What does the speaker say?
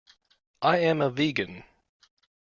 I am a vegan.